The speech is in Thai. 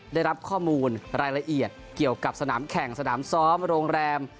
ได้รับข้อมูลรายละเอียดเกี่ยวกับสนามแข่งสนามซ้อมโรงแรม